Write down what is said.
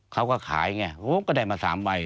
เขาก็ขายไงผมก็ได้มา๓ใบ